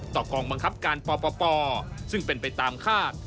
กองบังคับการปปซึ่งเป็นไปตามคาด